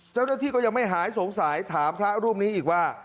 เจ้าหน้าที่ก็ยังไม่หายสงสัยถามพระรูปนี้อีกว่า